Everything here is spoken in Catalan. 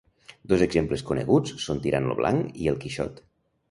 Dos exemples coneguts són Tirant lo Blanc i El Quixot.